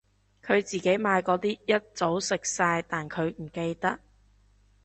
佢自己買嗰啲一早食晒但佢唔記得